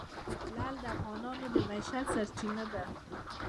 لعل د افغانانو د معیشت سرچینه ده.